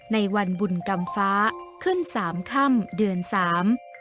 ในวันบุญกรรมฟ้าขึ้นสามค่ำเดือนสาม